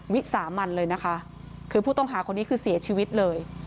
วิสามันเลยนะคะคือผู้ต้องหาคนนี้คือเสียชีวิตเลย